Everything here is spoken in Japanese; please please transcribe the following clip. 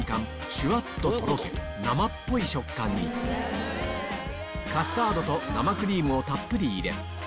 シュワっととろけ生っぽい食感にカスタードと生クリームをたっぷり入れ